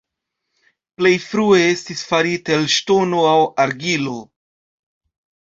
Plej frue estis faritaj el ŝtono aŭ argilo.